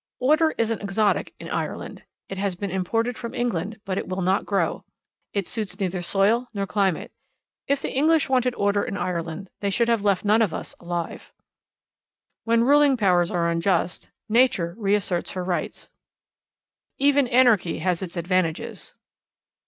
Order is an exotic in Ireland. It has been imported from England, but it will not grow. It suits neither soil, nor climate. If the English wanted order in Ireland, they should have left none of us alive. When ruling powers are unjust, nature reasserts her rights. Even anarchy has its advantages.